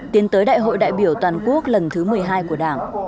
tiến tới đại hội đại biểu toàn quốc lần thứ một mươi hai của đảng